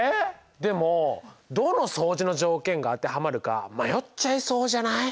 でもどの相似の条件が当てはまるか迷っちゃいそうじゃない？